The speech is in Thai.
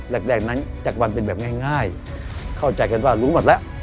แรกนั้นจากวันเป็นแบบง่ายเข้าใจกันว่ารู้หมดแล้ว